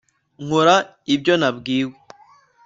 nkora ibyo nabwiwe